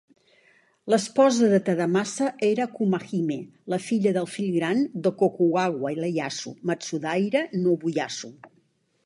L'esposa de Tadamasa era Kumahime, la filla del fill gran de Tokugawa Ieyasu, Matsudaira Nobuyasu.